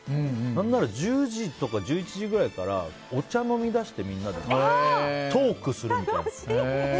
何なら１０時とか１１時ぐらいからみんなでお茶飲みだしてトークするみたいな。